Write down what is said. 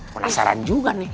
penasaran juga nih